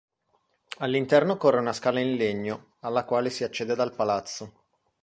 All'interno corre una scala in legno alla quale si accede dal palazzo.